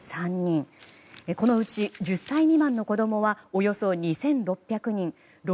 このうち１０歳未満の子供はおよそ２６００人。